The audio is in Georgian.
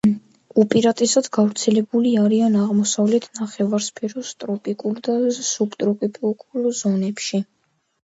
უპირატესად გავრცელებული არიან აღმოსავლეთ ნახევარსფეროს ტროპიკულ და სუბტროპიკულ ზონებში.